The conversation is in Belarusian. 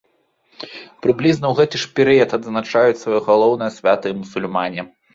Прыблізна ў гэты ж перыяд адзначаюць сваё галоўнае свята і мусульмане.